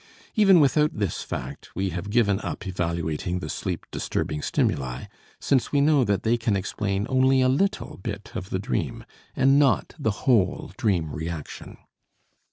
Even without this fact we have given up evaluating the sleep disturbing stimuli, since we know that they can explain only a little bit of the dream, and not the whole dream reaction.